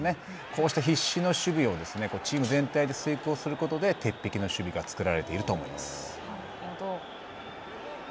こうした必死の守備をチーム全体で遂行することで鉄壁の守備が作られていると思います。